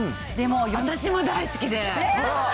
私も大好きで。